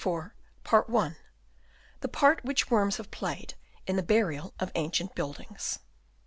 CHAPTER IV. TEE PART WHICH WORMS HAVE PLAYED IN THE BURIAL OF ANCIENT BUILDINGS.